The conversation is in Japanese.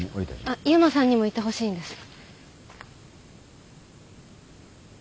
あっ悠磨さんにもいてほしいんです。